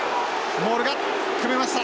モールが組めました。